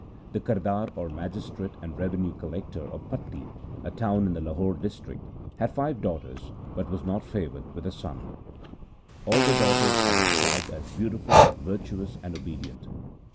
The Kardar, or magistrate and revenue collector, of Patti, a iown in the Lahore district, had five daughters, but was not favoured with a son. All the daughters are described as beautiful, virtuous, and obedient.